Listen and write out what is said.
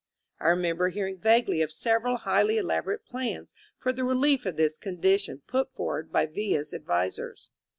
I remember hearing vaguely of several highly elaborate plans for the relief of this condition put forward by Villa's advisers.